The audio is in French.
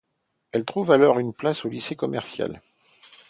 Elle trouve alors une place au lycée commercial.